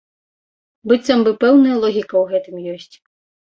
Быццам бы пэўная логіка ў гэтым ёсць.